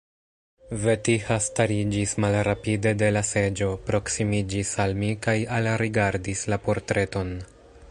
Vetiha stariĝis malrapide de la seĝo, proksimiĝis al mi kaj alrigardis la portreton.